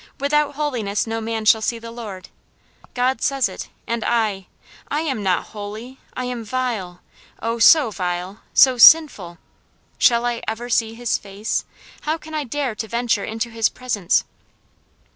'Without holiness no man shall see the Lord.' God says it; and I I am not holy I am vile oh, so vile, so sinful! Shall I ever see his face? how can I dare to venture into his presence!"